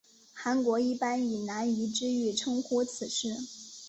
韩国一般以南怡之狱称呼此事。